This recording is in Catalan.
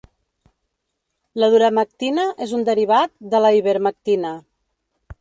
La doramectina és un derivat de la ivermectina.